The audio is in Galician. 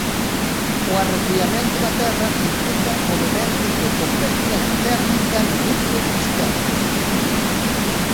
O arrefriamento da Terra implica movementos de convección térmica no núcleo externo.